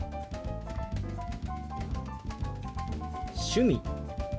「趣味」。